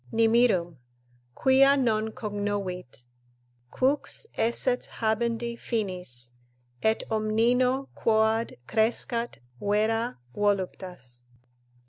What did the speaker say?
"Nimirum, quia non cognovit, qux esset habendi Finis, et omnino quoad crescat vera voluptas."